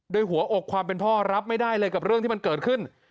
โดยหัวอกความเป็นพ่อรับไม่ได้เลยกับเรื่องที่มันเกิดขึ้น